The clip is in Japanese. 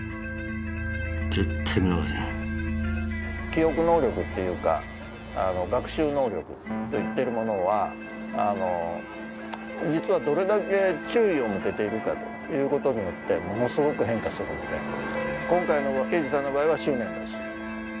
記憶能力っていうか学習能力といってるものは実はどれだけ注意を向けているかという事によってものすごく変化するので元気でおるわ。